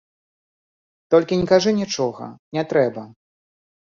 Толькі не кажы нічога, не трэба.